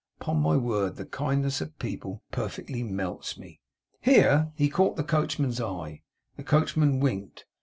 Upon my word, the kindness of people perfectly melts me.' Here he caught the coachman's eye. The coachman winked.